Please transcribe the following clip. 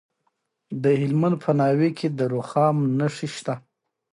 د هلمند په ناوې کې د رخام نښې شته.